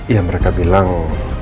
ya mereka bilang